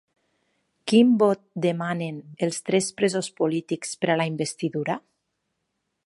Quin vot demanen els tres presos polítics per a la investidura?